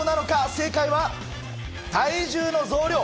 正解は体重の増量。